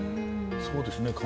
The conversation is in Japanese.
そうですね。